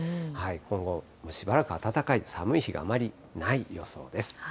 今後、しばらく暖かい、寒い日があまりない予想です。